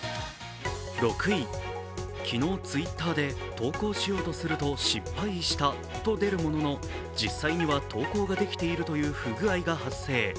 ６位、昨日、Ｔｗｉｔｔｅｒで投稿しようとすると失敗したと出るものの、実際には投稿ができているという不具合が発生。